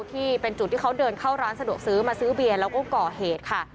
ที่เป็นจุดที่เขาเดินเข้าร้านสะดวกซื้อมาซื้อเบียร์แล้วก็ก่อเหตุค่ะ